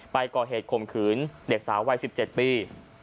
ก่อเหตุข่มขืนเด็กสาววัย๑๗ปี